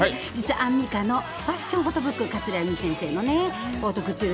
アンミカのファッションフォトブック、桂由美先生のオートクチュール。